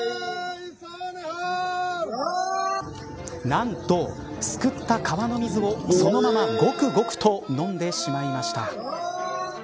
何と、すくった川の水をそのまま、ごくごくと飲んでしまいました。